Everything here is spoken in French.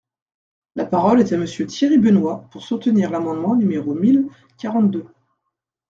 La parole est à Monsieur Thierry Benoit, pour soutenir l’amendement numéro mille quarante-deux.